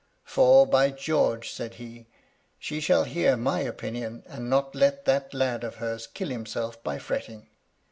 "* For, by George !' said he, * she shall hear my opinion, and not let that lad of hers kill himself by fretting.